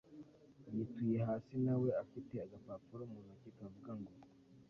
yituye hasi nawe afite agapapuro muntoki kavuga ngo